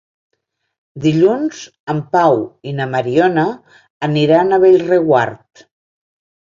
Dilluns en Pau i na Mariona aniran a Bellreguard.